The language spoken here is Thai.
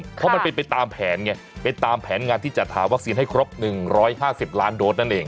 เพราะมันเป็นไปตามแผนไงเป็นตามแผนงานที่จัดหาวัคซีนให้ครบ๑๕๐ล้านโดสนั่นเอง